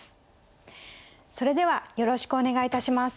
それではよろしくお願いいたします。